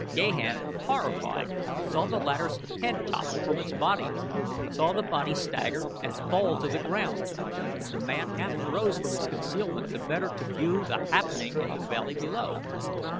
Gahan, horrified, saw the latter's head topple from its body, saw the body stagger and fall to the ground. The man half rose from his concealment the better to view the happening in the valley below.